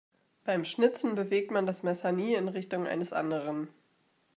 Beim Schnitzen bewegt man das Messer nie in Richtung eines anderen.